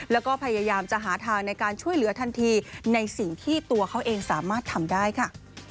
แล้วก็พยายามจะหาทางในการช่วยเหลือทันทีในสิ่งที่ตัวเขาเองสามารถทำได้ค่ะ